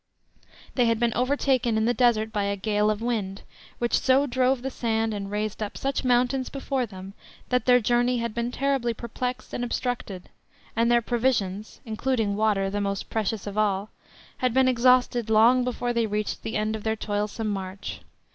They had been overtaken in the Desert by a gale of wind, which so drove the sand and raised up such mountains before them, that their journey had been terribly perplexed and obstructed, and their provisions (including water, the most precious of all) had been exhausted long before they reached the end of their toilsome march.